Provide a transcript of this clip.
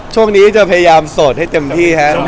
ช่วงนี้จะพยายามโสดให้เต็มที่ครับ